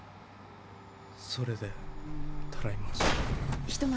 それでたらい回しに。